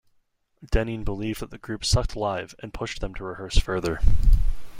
Denneen believed that the group "sucked live" and pushed them to rehearse further.